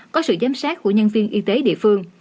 có sự giám sát của nhân viên y tế địa phương